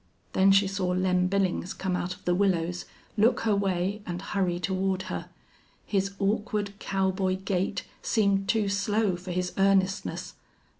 Then she saw Lem Billings come out of the willows, look her way, and hurry toward her. His awkward, cowboy gait seemed too slow for his earnestness.